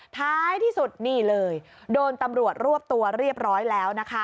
ท้ายที่สุดนี่เลยโดนตำรวจรวบตัวเรียบร้อยแล้วนะคะ